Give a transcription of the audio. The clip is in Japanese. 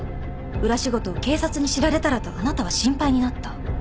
裏仕事を警察に知られたらとあなたは心配になった。